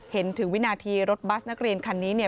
เห็นถึงวินาทีรถบัสนักเรียนคันนี้เนี่ย